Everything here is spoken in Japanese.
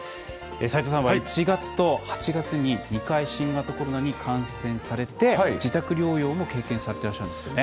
斉藤さんは１月と８月に２回、新型コロナに感染されて自宅療養も経験されているんですよね。